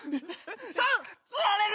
３！釣られる！